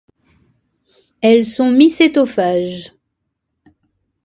Elles sont mycétophages.